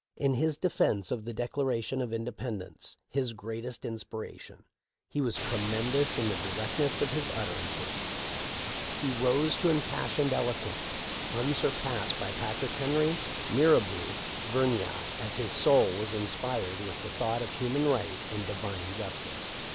In his defence of the Declaration of Inde pendence — his greatest inspiration — he was "tre mendous in the directness of his utterances; he rose to impassioned eloquence, unsurpassed by Patrick Henry, Mirabeau, or Vergniaud, as his soul was inspired with the thought of human right and Divine justice."